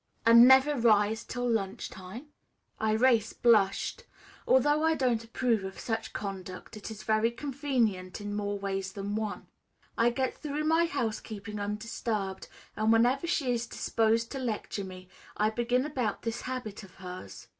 "And never rise till lunch time?" Irais blushed. Although I don't approve of such conduct, it is very convenient in more ways than one; I get through my housekeeping undisturbed, and whenever she is disposed to lecture me, I begin about this habit of hers.